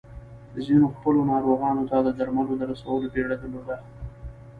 ځينو خپلو ناروغانو ته د درملو د رسولو بيړه درلوده.